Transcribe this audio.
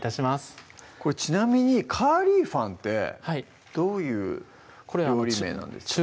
ちなみに「カーリーファン」ってどういう料理名なんですか？